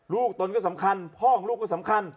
ตนก็สำคัญพ่อของลูกก็สำคัญ